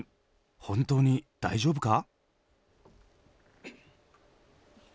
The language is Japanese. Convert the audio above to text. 本当に大丈夫か？